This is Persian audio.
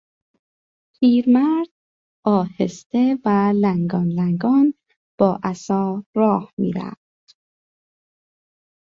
پیرمرد آهسته و لنگان لنگان با عصا راه میرفت.